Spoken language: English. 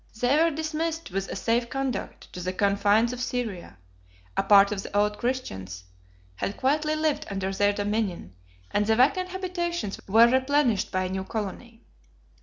They were dismissed with a safe conduct to the confines of Syria: a part of the old Christians had quietly lived under their dominion; and the vacant habitations were replenished by a new colony.